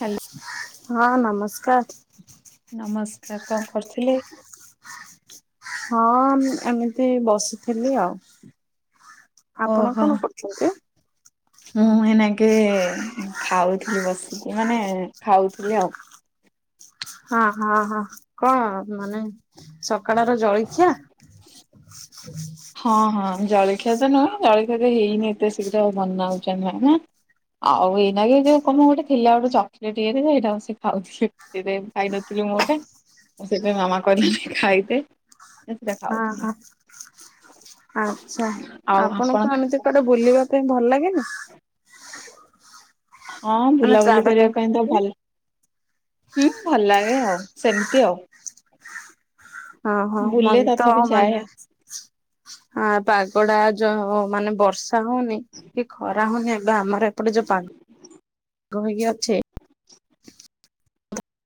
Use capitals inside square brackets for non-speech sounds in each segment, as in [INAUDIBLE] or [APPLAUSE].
Hello ହଁ ନମସ୍କାର। ନମସ୍କାର କଣ କରୁଥିଲେ? ହଁ ଏମିତି ବସିଥିଲି ଆଉ। ଆପଣ ଓହୋ କଣ କରୁଛନ୍ତି? ମୁଁ ଏଇନେ କେ ଖାଉଥିଲି ବସିକି ମାନେ ଖାଉଥିଲି ଆଉ। ହଁ ହଁ ହ କଣ ମାନେ ସକାଳର ଜଳଖିଆ। [INAUDIBLE] ହଁ ହଁ ଜଳଖିଆ ତ ନୁହେଁ ଜଳଖିଆ ତ ହେଇନି ଏତେ ଶୀଘ୍ର ଆଉ ବନା ହଉଛି ଏଇନେ। ଆଉ ଏଇନା କି ଯଉ କଣ ଗୋଟେ ଥିଲା ଗୋଟେ ଚକଲେଟ ଇଏରେ ସେଇଟା ବସି ଖାଉଥିଲି। ସେଇଥିପାଇଁ ଖାଇ ନଥିଲି ମୁଁ ଗୋଟେ ମୁଁ ସେଥିପାଇଁ ମାମା କହିଲା ଟିକେ ଖାଇଦେ। ସେଟା ହଁ ଖାଉଥିଲି। ହଁ ଆଚ୍ଛା ଆଉ ଆପଣ ଆପଣଙ୍କୁ ଏମିତି କଆଡେ ବୁଲିବା ପାଇଁ ଭଲ ଲାଗେନି? ହଁ ବୁଲାବୁଲି କରିବା ପାଇଁ ତ ଭଲ। ହୁଁ ଭଲ ଲାଗେ ଆଉ ସେମିତି ଆଉ। ହଁ ହଁ ବୁଲେ ମତେ ତ ତଥାପି ଯାଏ ମାନେଅଛି। ଆ ପାଗଡା ଯ ମାନେ ବର୍ଷା ହୋଉନି। କି ଖରା ହଉନି ଏବେ ଆମର ଏପଟେ ଯୋଉ ପା ଗ ହେଇକି ଅଛି।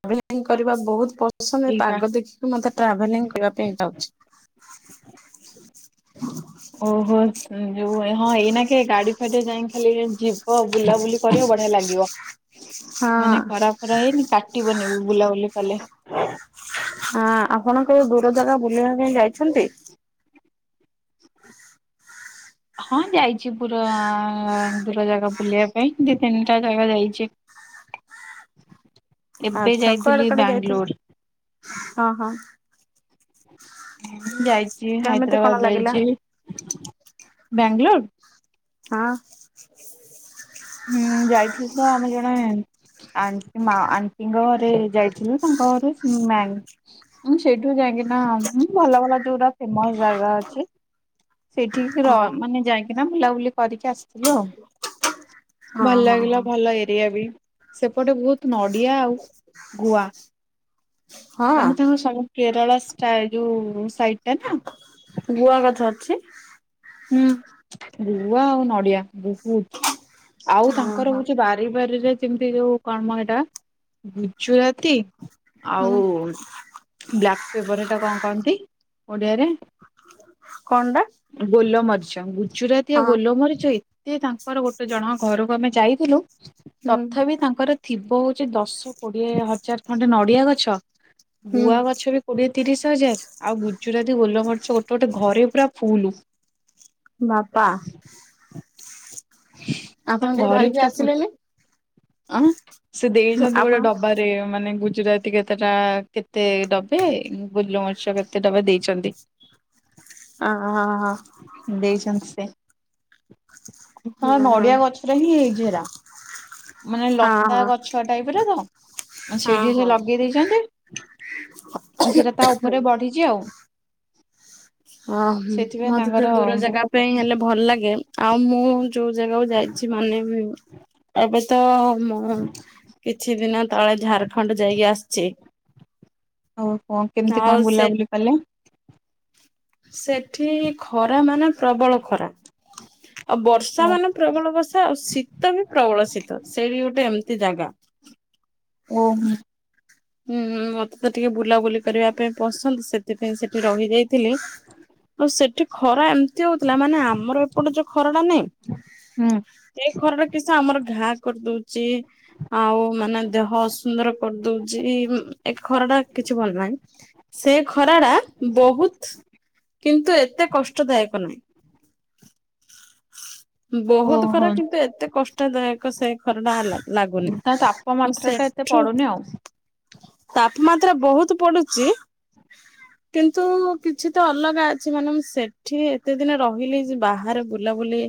ଟ୍ରାଭେଲିଂ କରିବା ବହୁତ ପସନ୍ଦ ଏ ଏଇ ପା ପାଗ ଦେଖିକି ମତେ ଟ୍ରାଭେଲିଂ କରିବା ପାଇଁ ଯାଉଛି। [INAUDIBLE] ଓହୋ ହୁଁ ଯୋଉ ହଁ ଏଇନାକେ ଗାଡି ଫାଡି ଯାଇକି ଖାଲି ଯିବ ବୁଲାବୁଲି କରିବ ବଢିଆ ଲାଗିବ [INAUDIBLE] ମାନେ ହଁ। ଖରା ଫରା ହେଇନି କାଟିବନି ବି ବୁଲାବୁଲି କଲେ। ହଁ ଆପଣ କୋଉ ଦୂର ଜାଗା ବୁଲିବା ପାଇଁ ଯାଇଛନ୍ତି? ହଁ ଯାଇଛି ପୁରା ଦୂର ଜାଗା ବୁଲିବା ପାଇଁ ଦି ତିନିଟା ଜାଗା ଯାଇଛି। ଏବେ ଆଚ୍ଛା କୁଆଡେ ଯାଇଥିଲି କୁଆଡେ ଯାଇଥିଲେ? ବାଙ୍ଗଲୋର୍। ହଁ ହଁ। ଯାଇଛି କେମିତି କଣ ହାଇଦ୍ରାବାଦ ଲାଗିଲା? ଯାଇଛି ବ୍ୟାଙ୍ଗଲୋର୍। ହଁ। ହୁଁ ଯାଇଥିଲି ତ ଆମ ଜଣେ ଆଣ୍ଟି ମା ଆଣ୍ଟିଙ୍କ ଘରେ ଯାଇଥିଲୁ ତାଙ୍କ ଘରେ ମ୍ୟାଙ୍ଗ ହଁ ସେଇଠୁ ଯାଇକିନା ଭଲ ଭଲ ଯୋଉଟା ଫେମସ ଜାଗା ଅଛି। ସେଇଠିକି ର ହଁ ମାନେ ଯାଇକିନା ବୁଲାବୁଲି କରିକି ଆସିଥିଲୁ ଆଉ। ହଁ ଭଲ ହଁ ହଁ ଲାଗିଲା ଭଲ ଏରିଆ ବି ସେପଟେ ବହୁତ ନଡିଆ ଆଉ ଗୁଆ। ମାନେ ହଁ ତାଙ୍କ ସବୁ କେରଳ ଷ୍ଟା- ଯୋଉ ସାଇଡ୍ ଟା ନା। ଗୁଆ ଗଛ ଅଛି। ହୁଁ ଗୁଆ ଆଉ ନଡିଆ ବହୁତ୍ ଆଉ ହଁ ତାଙ୍କର ହଁ ହଉଛି ବା ପରିବାରରେ ଯେମିତି ଯୋଉ କଣ ମ ଏଇଟା ଗୁଜୁରାତି। ହୁଁ ଆଉ ବ୍ଲାକ୍ ପେପର ଏଟା କଣ କହନ୍ତି ଓଡିଆରେ? କଣ ଟା? ଗୋଲମରିଚ ଗୁଜୁରାତି ଆଉ ହଁ ଗୋଲମରିଚ ଏତେ ତାଙ୍କର ଗୋଟେ ଜଣକ ଘରକୁ ଆମେ ଯାଇଥିଲୁ। ହୁଁ ତଥାପି ତାଙ୍କର ଥିବ ହଉଛି ଦଶ କୋଡିଏ ହଜାର ଖଣ୍ଡେ ନଡିଆ ଗଛ। ହୁଁ ଗୁଆ ଗଛ ବି କୋଡିଏ ତିରିଶ ହଜାର ଆଉ ଗୁଜୁରାତି ଗୋଲମରିଚ ଗୋଟେ ଗୋଟେ ଘରେ ପୁରା ଫୁଲୁ। ବାପା। ଆପଣ ଟିକେ ତାଙ୍କ ଘରେ ଧରିକି ପୁରା ଫୁ ଆସିଲେନି ଅମ୍ ସେ ଦେଇଛନ୍ତି ଆପଣ ଗୋଟେ ଡବା। ରେ ମାନେ ଗୁଜୁରାତି କେତଟା କେତେ ଡବେ ଗୋଲମରିଚ କେତେ ଡବା ଦେଇଛନ୍ତି। ହୁଁ ଆଁ ହ ହ। ଦେଇଛନ୍ତି ସେ ହୁଁ ତ ହୁଁ ନଡିଆ ଗଛରେ ହିଁ ହେଇଛିଏରା। ମାନେ ହଁ ଲତା ହଁ ଗଛ ଟାଇପ୍ ର ତ? ଆଉ ହଁ ସେଇଠିକି ସେ ଲଗେଇ ଦେଇଛନ୍ତି। ଆଉ ସେଇଟା ତା ହଉ ଉପରେ ବଢିଛି ଆଉ। ଓହୋ ସେଥିପାଇଁ ମତେ ତ ତାଙ୍କର ଦୂର ଜାଗା ଆଉ ପାଇଁ ହେଲେ ଭଲ ଲାଗେ। ଆଉ ମୁଁ ଯୋଉ ଜାଗାକୁ ଯାଇଛି ମାନେ ଏବେ ତ ମୁଁ କିଛି ଦିନ ତଳେ ଝାରଖଣ୍ଡ ଯାଇକି ଆସିଛି। ଆଉ କଣ କେମିତି ଆଉ କଣ ସେ ବୁଲାବୁଲି କଲେ। ସେଠି ଖରା ମାନେ ପ୍ରବଳ ଖରା। ଆଉ ବର୍ଷା ଓ ମାନେ ପ୍ରବଳ ବର୍ଷା ଆଉ ଶୀତ ବି ପ୍ରବଳ ଶୀତ ସେଇଠି ଗୋଟେ ଏମିତି ଜାଗା। ଓହୋ। ହୁଁ ମତେ ତ ଟିକେ ବୁଲାବୁଲି କରିବା ପାଇଁ ପସନ୍ଦ ସେଥିପାଇଁ ସେଠି ରହିଯାଇଥିଲି। ଆଉ ସେଠି ଖରା ଏମିତି ହଉଥିଲା ମାନେ ଆମର ଏପଟେ ଯୋଉ ଖରାଟା ନାଇଁ ହୁଁ। ଏଇ ଖରଟା କିଛି ଆମର ଘା କରିଦଉଛି ଆଉ ମାନେ ଦେହ ଅସୁନ୍ଦର କରିଦଉ ଜି ଏ ଖରାଟା କିଛି ଭଲ ନାହିଁ ସେ ଖରା ରା ବହୁତ କିନ୍ତୁ ଏତେ କଷ୍ଟଦାୟକ ନୁହଁ। ବହୁତ ଓହୋ ଖରା କିନ୍ତୁ ଏତେ କଷ୍ଟଦାୟକ ସେ ଖର ଟା ହେଲା ଲାଗୁନି ତା ମୁଁ ତାପମାତ୍ରା ଟା ଏତେ ସେଠୁ ପଡୁନି ଆଉ। ତାପମାତ୍ରା ବହୁତ ପଡୁଛି। କିନ୍ତୁ କିଛି ତ ଅଲଗା ଅଛି ମାନେ ମୁଁ ସେଠି ଏତେ ଦିନ ରହିଲି ଯେ ବାହାରେ ବୁଲାବୁଲି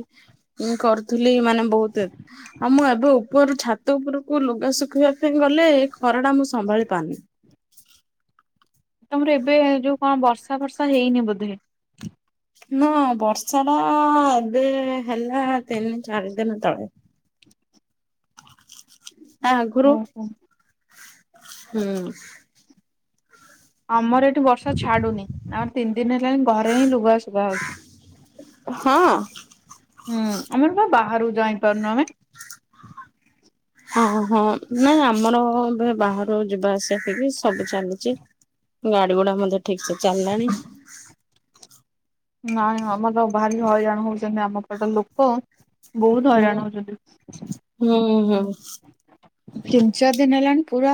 ମୁଁ କରିଥିଲି ମାନେ ବହୁତ ଏ ଆଉ ମୁଁ ଏବେ ଉପର ଛାତ ଉପରକୁ ଲୁଗା ଶୁଖେଇବା ପାଇଁ ଗଲେ ଖରା ଟା ମୁଁ ସମ୍ଭାଳି ପାରୁନି। ତମର ଏବେ ଯୋଉ କଣ ବର୍ଷା ଫର୍ଷା ହେଇନି ବୋଧେ ନା ବର୍ଷା ଟା ଏବେ ହେଲା ତିନି ଚାରି ଦିନ ତଳେ। ତା ଆଗୁରୁ ଓହୋ ହୁଁ। ଆମର ଏଠି ବର୍ଷା ଛାଡୁନି ଆମର ତିନି ଦିନ ହେଲାଣି ଘରେ ହିଁ ଲୁଗା ଶୁଗା ହଉଛି। ହଁ। ହୁଁ ଆମରବା ବାହାରକୁ ଯାଇ ପାରୁନୁ ଆମେ। ହଁ ହଁ ନାଇଁ ଆମର ଏବେ ବାହାରୁ ଯିବା ଆସିବା ସବୁ ଚାଲିଛି। ଗାଡି ଗୁଡା ମଧ୍ୟ ଠିକସେ ଚାଲିଲାଣି। ନାଇଁ ଆମର ଭାରି ହଇରାଣ ହଉଛନ୍ତି ଆମ ପଟ ଲୋକ ବହୁତ ହୁଁ ହଇରାଣ ହଉଛନ୍ତି। ହୁଁ ହୁଁ। ତିନି ଚାର ଦିନ ହେଲାଣି ପୁରା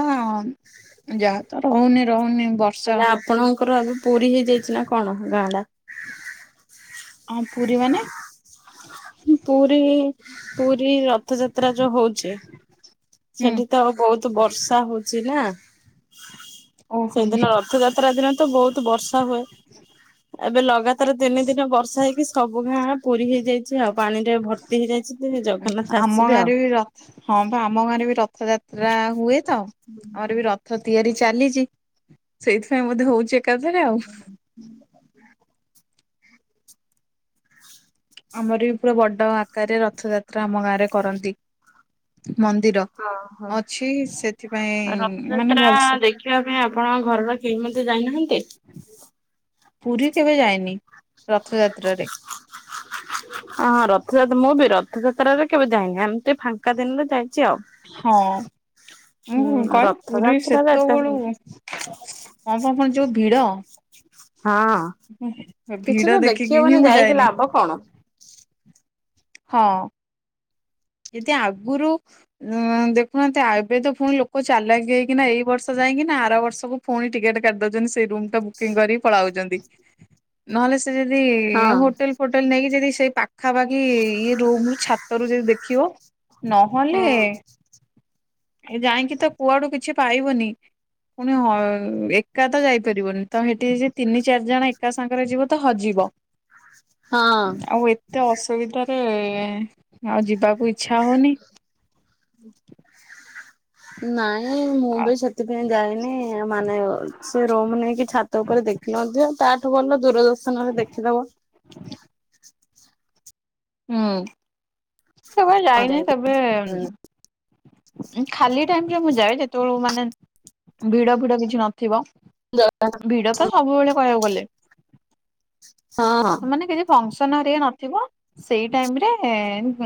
ଯାହା ତ ରହୁନି ରହୁନି ବ ହେଲେ ଆପଣଙ୍କର ଆଜି ପୁରୀ ହେଇଯାଇଛି ନା କଣ ଗାଁ ଟା? ହଁ ପୁରୀ ମାନେ? ହୁଁ ପୁରୀ ପୁରୀ ରଥଯାତ୍ରା ଯୋଉ ହଉଛି। ହୁଁ ସେଠି ତ ବହୁତ ବର୍ଷା ହଉଚି ନା ଓହୋ ସେଦିନ ରଥଯାତ୍ରା ଦିନ ତ ବହୁତ ବର୍ଷା ହୁଏ। ଏବେ ଲଗାତାର ତିନି ଦିନ ବର୍ଷା ହେଇକି ସବୁ ଗାଁ ପୁରୀ ହେଇଯାଇଛି ଆଉ ପାଣିରେ ଭର୍ତ୍ତି ହେଇଯାଇଛି ସେ ଜଗନ୍ନାଥ ଆମ ଆସିବେ ଆଉ। ଗାଁରେ ବି ରଥ ହଁ ବା ଆମ ଗାଁରେ ବି ରଥଯାତ୍ରା ହୁଏ ତ ଆମର ବି ର ଥ ତିଆରି ଚାଲିଛି ସେଇଥିପାଇଁ ବୋଧେ ହଉଛି ଏକାଥରେ ଆଉ। ଆମର ବି ପୁରା ବଡ ଆକାରରେ ରଥଯାତ୍ରା ଆମ ଗାଁରେ କରନ୍ତି ମନ୍ଦିର। ହଁ ହଁ। ଅଛି ସେଥିପାଇଁ ମାନେ ରଥଯାତ୍ରା ଭଲସେ ଦେଖିବା ପାଇଁ ଆପଣ ଘରର କେହି ମଧ୍ୟ ଯାଇନାହାନ୍ତି? ପୁରୀ କେବେ ଯାଇନି ରଥଯାତ୍ରାରେ ଅ ହଁ ରଥଯାତ୍ରା ମୁଁ ବି ରଥଯାତ୍ରାରେ କେବେ ଯାଇନି ଏମିତି ଫାଙ୍କା ଦିନରେ ଯାଇ ହଁ। ହୁଁ ମୁଁ କହେ ପୁରୀ ରଥଯାତ୍ରାରେ ଏତେ ସେତେବେଳୁ କଣ କର ଯୋଉ ଭିଡ଼। ହଁ ଭିଡ କିଛି ତ ଦେଖି ଦେଖିକି ହିଁ ହେବନି ମୁଁ ଯାଇକି ଯାଏନି ଲାଭ କଣ। ହଁ ଯଦି ଆଗରୁ ଉଁ ଦେଖୁନାହାନ୍ତି ଆ ଏବେ ତ ପୁଣି ଲୋକ ଚାଲାକି ହେଇକିନା ଏଇ ବର୍ଷ ଯାଇକି ନା ଆର ବର୍ଷକୁ ପୁଣି ଟିକେଟ କାଟି ଦଉଛନ୍ତି ସେଇ ରୁମ ଟା ବୁକିଂ କରିକି ପଳାଉଛନ୍ତି। ନହେଲେ ସେ ଯଦି ହଁ। ହୋଟେଲ ଫୋଟେଲ ନେଇକି ଯଦି ସେ ପାଖାପାଖି ଇ ରୁମ ଛାତରୁୁ ଯଦି ଦେଖିବ ନହେଲେ ହଁ। ଏ ଯାଇକି ତ କୁଆଡୁ କିଛି ପାଇବୁନି। ପୁଣି ହ ଏକା ତ ଯାଇପାରିବନି ତ ସେଠି ତିନି ଚାରି ଜଣ ଏକା ସାଙ୍ଗରେ ଯିବ ତ ହଜିବ। ହଁ ଆଉ ଏତେ ଅସୁବିଧାରେ ଆଉ ଯିବାକୁ ଇଛା ହଉନି। [INAUDIBLE] ନାଇଁ ମୁଁ ଆଉ ବି ସେଥିପାଇଁ ଯାଏନି ମାନେ ସେ ରୁମ ନେଇକି ଛାତ ଛାତ ଉପରେ ଦେଖିନଥିବ ତାଠୁ ଭଲ ଦୂରଦର୍ଶନ ରେ ଦେଖିଦବ। ହୁଁ କେବେ ହଁ ଯାଇନି ଯାଇକି କେବେ ଖାଲି ଟାଇମରେ ମୁଁ ଯାଏ ଯେତେବେଳେ ମାନେ ଭିଡ଼ ଫିଡ କିଛି ନଥିବ। ଭିଡ଼ ତ ଦର୍ଶନ ସବୁବେଳେ କହିବାକୁ ଗଲେ ହଁ ହଁ ସେମାନେ କିଛି ଫଙ୍କସନ୍ ହେଇକା ନଥିବ ସେଇ ଟାଇମ ରେ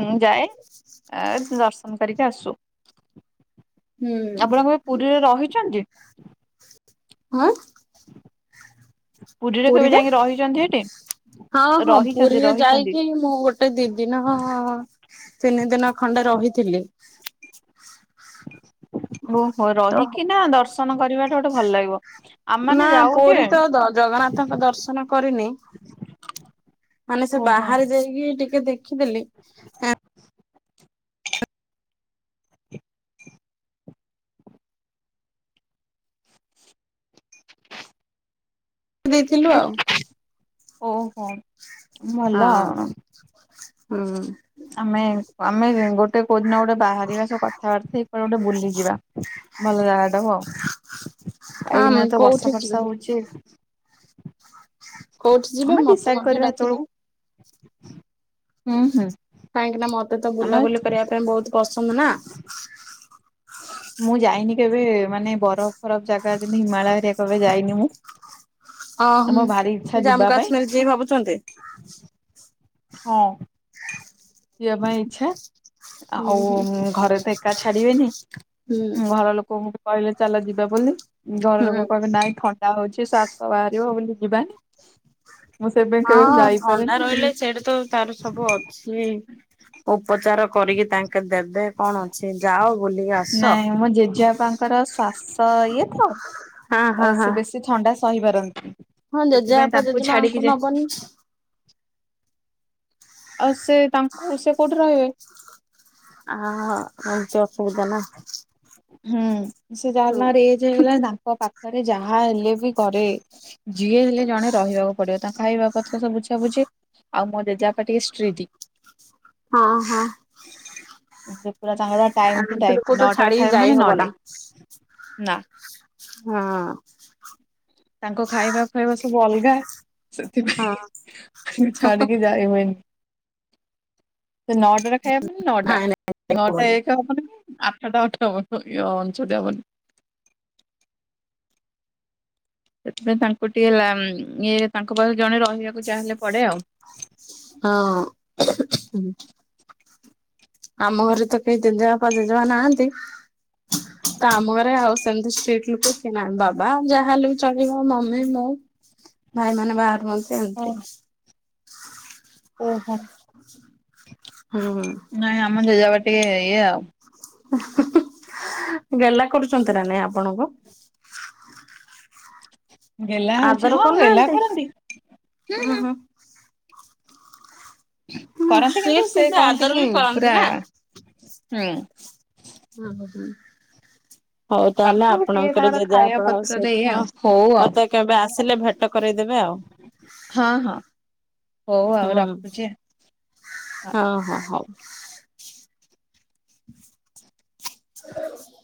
ମୁଁ ଯାଏ। [INAUDIBLE] ଏ ଦର୍ଶନ କରିକି ଆସୁ ହୁଁ ଆପଣ କେବେ ପୁରୀରେ ରହିଛନ୍ତି? ଉନ୍। କେବେ ପୁରୀରେ ଯାଇକି ରହିଛନ୍ତି ସେଠି ହଁ ହଁ ରହିଛନ୍ତି ପୁରୀରେ ରହିଛନ୍ତି ଯାଇକି ମୁଁ ଗୋଟେ ଦି ଦିନ ତିନି ଦିନ ଖଣ୍ଡେ ରହିଥିଲି। ଓହୋ ତ ରହିକି ନା ଦର୍ଶନ କରିବାଟା ଗୋଟେ ଭଲ ଲାଗିବ। ଆମେ ମାନେ ନା ଯାଉ ଯେ ପୁରୀ ତ ଜଗନ୍ନାଥଙ୍କ ଦର୍ଶନ କରିନି ମାନେ ସେ ଓହୋ ବାହାରେ ଯାଇକି ଟିକେ ଦେଖିଦେଲି [INAUDIBLE] ଦେଇଥିଲୁ ଆଉ ଓହୋ ଭଲ ଆଉ। ହଁ। ଆମେ ଆମେ ଗୋଟେ କୋଉଦିନ ଗୋଟେ ବାହାରିବା ସବୁ କଥାବାର୍ତ୍ତା ହେଇକି କୁଆଡ଼େ ଗୋଟେ ବୁଲିଯିବା। ଭଲ ଜାଗା ଟା ହଉ ହଁ ଏଇନା ତ କୋଉଠି ବର୍ଷା ଯିବେ ଫର୍ଷା ହଉଛି। କୋଉଠି ଯିବେ ଆମେ ମତେ ଡିସାଇଡ ମଧ୍ୟ କରିବା ହେତେବେଳକୁ ଡାକିବେ, ହୁଁ ହୁଁ କାହିଁକି ନା ମତେ ତ ଆମେ ବୁଲାବୁଲି କରିବା ପାଇଁ ବହୁତ ପସନ୍ଦ ନା। ମୁଁ ଯାଇନି କେବେ ମାନେ ବରଫ ଫରଫ ଜାଗା ଯେମତି ହିମାଳୟ ଏରିଆ କେବେ ଯାଇନି ମୁଁ। [INAUDIBLE] ଅ ହ ମୋ ଭାରି ଇଚ୍ଛା ଯିବା ଜାମ୍ମୁ ପାଇଁ କାଶ୍ମୀରରେ ଯିବେ ଭାବୁଛନ୍ତି। ହଁ। ଯିବା ପାଇଁ ଇଚ୍ଛା। ହୁଁ ଆଉ ହୁଁ ଘରେ ତ ଏକା ଛାଡ଼ିବେନି ହୁଁ ଘର ଲୋକଙ୍କୁ କହିଲେ ଚାଲ ଯିବା ବୋଲି ଘର ହୁଁ ଲୋକ କହିବେ ନାଇଁ ଥଣ୍ଡା ତା ହଉଛି ଶ୍ୱାସ ବାହାରିବ ବୋଲି ଯିବା। ହଁ ଥଣ୍ଡା ରହିଲେ ସେଇଠି ତ ତାର ସବୁ ଅଛି ଉପଚାର କରିକି ତାଙ୍କେ ଦେବେ କଣ ଅଛି ଯାଅ ବୁଲିକି ଆସ। ଆମ ଜେଜେବାପାଙ୍କ ତାଙ୍କର ଶ୍ୱାସ ଇଏ ହଁ ହଁ ତ ହଁ ସେ ବେଶୀ ଥଣ୍ଡା ସହି ପାରନ୍ତି। ହଁ ସେଥିପାଇଁ ଜେଜେବାପା ତାଙ୍କୁ ଜେଜେମାଙ୍କୁ ଛାଡିକି ନବନି। ଯାଏ ଆଉ ସେ ତାଙ୍କୁ ସେ କୋଉଠି ରହିବେ? ଆ ଆ ହଉଛି ଅସୁବିଧା ନା ହୁଁ ସେ ହୁଁ ଯାହେଲେ ଏଜ୍ ହେଇଗଲାଣି ତାଙ୍କ ପାଖରେ ଯାହା ହେଲେ ବି ଘରେ ଯିଏ ହେଲେ ଜଣେ ରହିବାକୁ ପଡିବ ତାଙ୍କ ଖାଇବା ପତର ସବୁ ବୁଝାବୁଝି ଆଉ ମୋ ଜେଜେ ବାପା ଟିକେ ଷ୍ଟ୍ରିଟ୍। ହଁ ହଁ। ସେ ପୁରା ତାଙ୍କର ଟାଇମ ଟୁ ଏମିତି ଲୋକ ଟାଇମ ତ ନଅଟାରେ ଛାଡିକି ଖାଇବେ ଯାଇ ମାନେ ନଅ ହବନି। ଟା। ନା। ହଁ। ତାଙ୍କ ଖାଇବା ଫାଇବା ସବୁ ଅଲଗା ହଁ। ସେଥିପାଇଁ ଛାଡିକି ଯାଇ ହୁଏନି। ସେ ନଟ- ଟା ଖାଇବେ ମାନେ ନଅଟା ନାଇଁ ନାଇଁ ନଅଟା ହବନି ଏକ ହବନି, ଆଠଟା ଅଠାବନ କି ଅଣଶୋଠି ହେବନି। ସେଥିପାଇଁ ତାଙ୍କୁ ଟିକେ ଇଏ ତାଙ୍କ ପାଖରେ ଜଣେ ରହିବାକୁ ଯାହେଲେ ପଡ଼େ ଆଉ। ହଁ ଆମ ଘରେ ତ କେହି ଜେଜେ ବାପା ଜେଜେ ମା ନାହାନ୍ତି। ତ ଆମ ଘରେ ଆଉ ସେମତି ଷ୍ଟ୍ରିଟ୍ ଲୋକ କେହି ନାହାନ୍ତି ବାବା ଯାହା ହେଲେ ବି ଚଳିବ ମମି ମୁଁ। ଭାଇ ମାନେ ବାହାରେ ରୁହନ୍ତି ଓ ଏମିତି। ଓହୋ ହୁଁ ହଁ ନାଇଁ ଆମ ଜେଜେ ବାପା ଟିକେ ଇଏ ଆଉ। ଗେହ୍ଲା କରୁଛନ୍ତି ନା ନାଇଁ ଆପଣଙ୍କୁ? ଗେହ୍ଲା ହଉଛି ଆଦର ହଁ ଗେହ୍ଲା କରୁନାହାନ୍ତି? କରନ୍ତି। ହଁ ଉୁଁ ହଁ ହୁଁ କରନ୍ତି ସିଏ କିନ୍ତୁ ସେ କହନ୍ତି ଆଦର କି ବି କରନ୍ତି ପୁରା ନା। ହୁଁ। ହଁ ହ ହ ହଉ ତାହେଲେ ତାଙ୍କୁ ଟିକେ ଆପଣଙ୍କର ତାଙ୍କର ଜେଜେ ଖାଇବା ବାପା ପତ୍ରରେ ଇଏ ସହିତ, ଆଉ ହଉ ଆଉ ମତେ କେବେ ଆସିଲେ ଭେଟ କରେଇ ଦେବେ ଆଉ। ହଁ ହଁ ହଉ ଆଉ ହୁଁ ରଖୁଛି। ଆଉ। ହଁ ହୋ ହଉ। [INAUDIBLE]